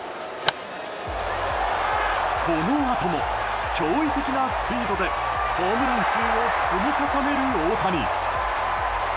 このあとも驚異的なスピードでホームラン数を積み重ねる大谷。